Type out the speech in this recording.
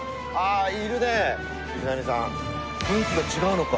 雰囲気が違うのか。